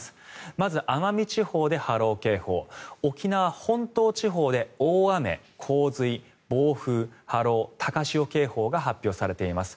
まず、奄美地方で波浪警報沖縄本島地方で大雨、洪水、暴風、波浪高潮警報が発表されています。